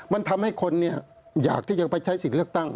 มันทำให้คนอยากที่จะไปใช้สิทธิ์เลือกตั้ง